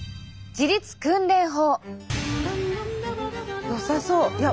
自律訓練法。